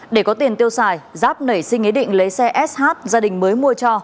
để có tiền tiêu xài giáp nảy sinh ý định lấy xe sh gia đình mới mua cho